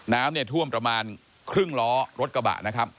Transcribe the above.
น้ำท่วมประมาณครึ่งล้อรถกระบะ